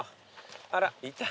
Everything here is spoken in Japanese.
あらいた。